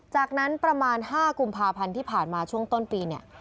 จากนั้นประมาณ๕กุมภาพันธ์ที่ผ่านมาช่วงต้นปีเนี่ย